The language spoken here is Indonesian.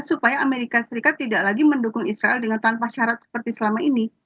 supaya amerika serikat tidak lagi mendukung israel dengan tanpa syarat seperti selama ini